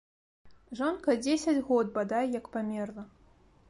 Жонка дзесяць год, бадай, як памерла.